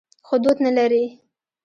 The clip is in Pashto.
خو دود نه لري.